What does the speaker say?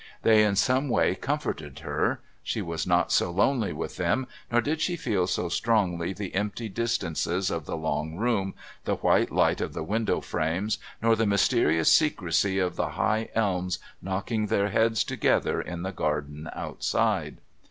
They in some way comforted her; she was not so lonely with them, nor did she feel so strongly the empty distances of the long room, the white light of the window frames, nor the mysterious secrecy of the high elms knocking their heads together in the garden outside.